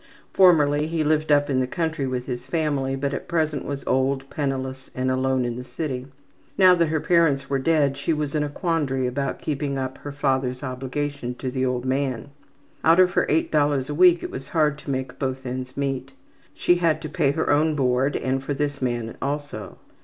Formerly he lived up in the country with his family, but at present was old, penniless, and alone in the city. Now that her parents were dead she was in a quandary about keeping up her father's obligation to the old man. Out of her $8 a week it was hard to make both ends meet. She had to pay her own board and for this man also.